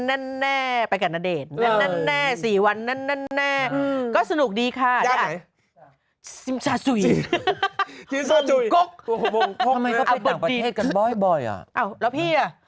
กันนเดศนั่นนั่นแรกสี่วันณนั่นแรกอืมก็สนุกดีค่ะแค่